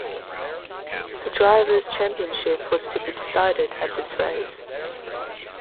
The Driver's championship was to be decided at this race.